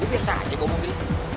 gue biasa aja bawa mobil